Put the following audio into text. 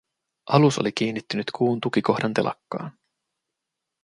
Alus oli kiinnittynyt kuun tukikohdan telakkaan.